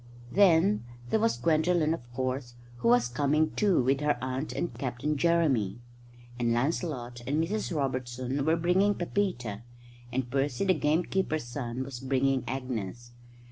Then there was Gwendolen, of course, who was coming too, with her aunt and Captain Jeremy; and Lancelot and Mrs Robertson were bringing Pepita; and Percy the gamekeeper's son was bringing Agnes.